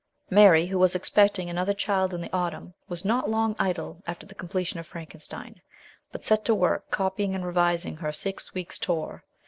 Mary, who was expecting another child in the autumn, was not long idle after the completion of Frankenstein, but set to work copying and revising her Six Weeks' Tour.